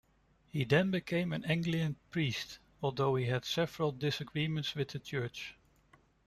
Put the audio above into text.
He then became an Anglican priest, although he had several disagreements with the church.